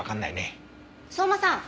相馬さん